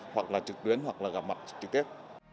hoặc là trực tuyến hoặc là gặp mặt trực tiếp